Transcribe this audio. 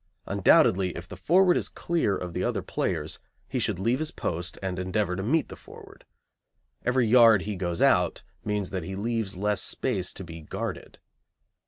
Undoubtedly if the forward is clear of the other players he should leave his post and endeavour to meet the forward. Every yard he goes out means that he leaves less space to be guarded.